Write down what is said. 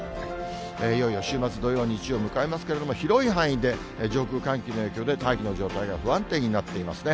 いよいよ週末、土曜、日曜を迎えますけれども、広い範囲で上空、寒気の影響で大気の状態が不安定になっていますね。